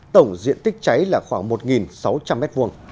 tổng diện tích cháy là khoảng một sáu trăm linh m hai